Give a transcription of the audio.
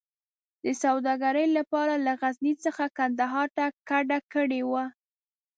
د سوداګرۍ لپاره له غزني څخه کندهار ته کډه کړې وه.